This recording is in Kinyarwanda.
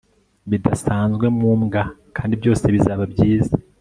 bidasanzwe mumbwa, kandi byose bizaba byiza